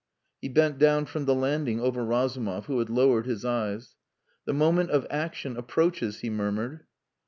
He bent down from the landing over Razumov, who had lowered his eyes. "The moment of action approaches," he murmured.